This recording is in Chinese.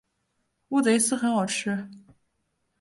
乌贼丝很好吃